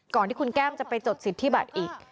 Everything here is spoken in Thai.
ก่อนที่คุณแก้มจะไปจดสิทธิบัตรอีก